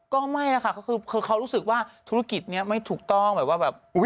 ก็ไม่นะคะก็คือเขารู้สึกว่าธุรกิจนี้ไม่ถูกต้องแบบว่าแบบ